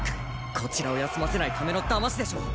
こちらを休ませないためのだましでしょう！